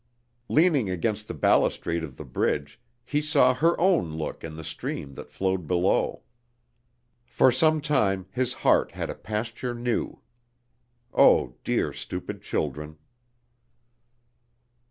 Leaning against the balustrade of the bridge, he saw her own look in the stream that flowed below. For some time his heart had a pasture new.... (Oh, dear, stupid children!)....